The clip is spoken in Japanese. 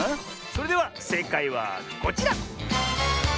それではせいかいはこちら！